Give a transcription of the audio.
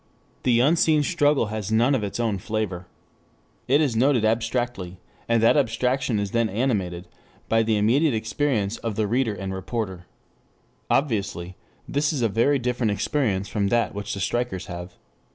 The unseen struggle has none of its own flavor. It is noted abstractly, and that abstraction is then animated by the immediate experience of the reader and reporter. Obviously this is a very different experience from that which the strikers have.